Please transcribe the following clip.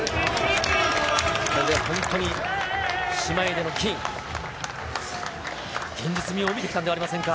これで本当に姉妹での金、現実味を帯びてきたんではありませんか。